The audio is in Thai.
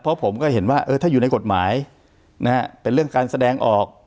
เพราะผมก็เห็นว่าถ้าอยู่ในกฎหมายนะฮะเป็นเรื่องการแสดงออก